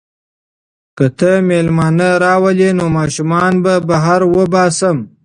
که ته مېلمانه راولې نو ماشومان به بهر وباسم.